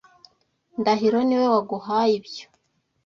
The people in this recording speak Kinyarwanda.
Ndahiro niwe waguhaye ibyo.